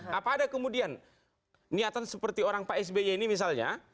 nah pada kemudian niatan seperti orang pak sby ini misalnya